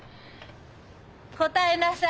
答えなさい！